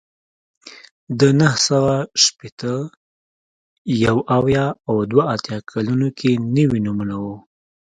په نهه سوه شپېته، یو اویا او دوه اتیا کلونو کې نوي نومونه وو